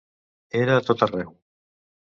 Era a tot arreu!